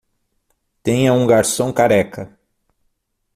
Tenha um garçom careca